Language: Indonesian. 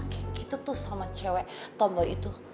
gak bisa ngomong begitu tuh sama cewek tombol itu